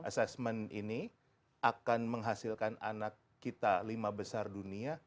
assessment ini akan menghasilkan anak kita lima besar dunia